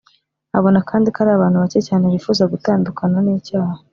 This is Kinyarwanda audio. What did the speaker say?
abona kandi ko ari abantu bacye cyane bifuza gutandukana n’icyaha